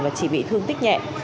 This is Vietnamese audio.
và chỉ bị thương tích nhẹ